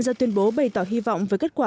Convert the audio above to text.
ra tuyên bố bày tỏ hy vọng với kết quả